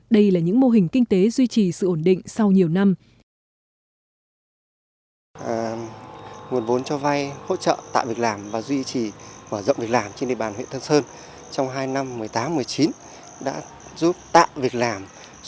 đây là những mô hình kinh tế duy trì sự ổn định sau nhiều năm